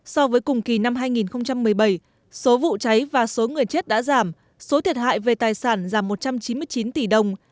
so với cùng kỳ năm hai nghìn một mươi bảy số vụ cháy và số người chết đã giảm số thiệt hại về tài sản giảm một trăm chín mươi chín tỷ đồng